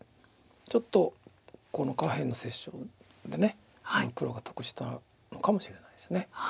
ちょっとこの下辺の折衝で黒が得したのかもしれないです。